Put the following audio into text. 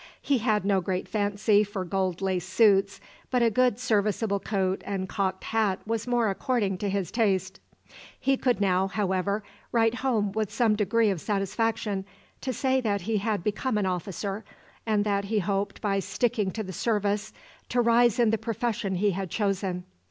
He had no great fancy for gold lace suits, but a good serviceable coat and cocked hat was more according to his taste. He could now, however, write home with some degree of satisfaction, to say that he had become an officer, and that he hoped by sticking to the service to rise in the profession he had chosen.